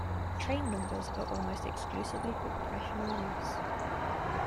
Train numbers are almost exclusively for professional use.